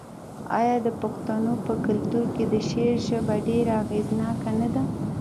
آیا د پښتنو په کلتور کې د شعر ژبه ډیره اغیزناکه نه ده؟